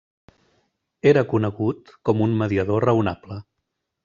Era conegut com a un mediador raonable.